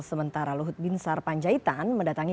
sementara luhut binsar panjaitan mendatangi